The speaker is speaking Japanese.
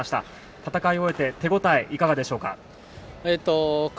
戦い終えて手応えいかがでしたか。